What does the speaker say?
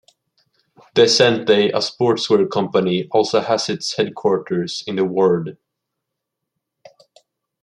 Descente, a sportswear company, also has its headquarters in the ward.